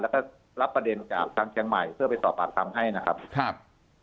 แล้วก็รับประเด็นจากทางเชียงใหม่เพื่อไปสอบปากคำให้นะครับครับ